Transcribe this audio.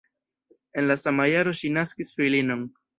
En la sama jaro ŝi naskis filinon.